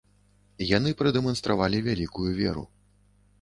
Яны прадэманстравалі вялікую веру.